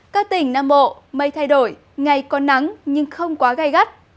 các tỉnh nam bộ mây thay đổi ngày có nắng nhưng không quá gai gắt